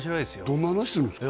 どんな話するんですか？